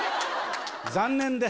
残念です。